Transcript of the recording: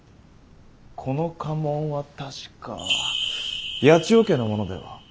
この家紋は確か八千代家のものでは？